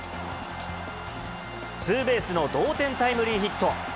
ツーベースの同点タイムリーヒット。